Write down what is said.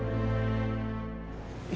sampai jumpa lagi